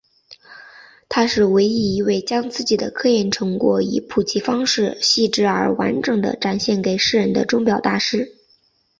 他是唯一一位将自己的科研成果以普及方式细致而完整地展现给世人的钟表大师。